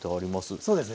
そうですね。